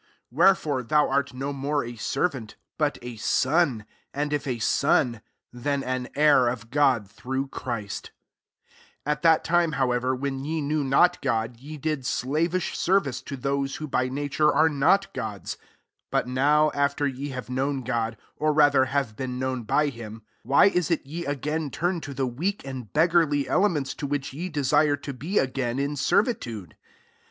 7 Where fore thou art no more a servant, but a son ; and if a son, then an heir [of God, through Christy 8 At that time, however, when ye knew not God, ye did slavish service to those who by nature are not gods : 9 but now, after ye have known God, or rather have been known by Him, why is it ye again turn to the weak and beggarly elements to which ye desire to be again in servitude?